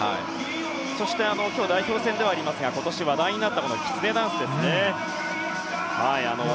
そして、今日は代表戦ではありますが今年話題になったきつねダンスですね。